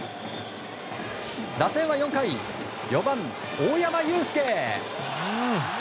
打線は４回４番、大山悠輔。